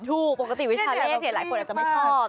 ถูกปกติวิชาเลขหลายคนอาจจะไม่ชอบ